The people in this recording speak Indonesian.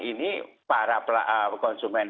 ini para konsumen